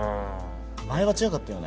前は違かったよね